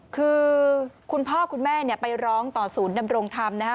คือคุณพ่อคุณแม่ไปร้องต่อศูนย์ดำรงธรรม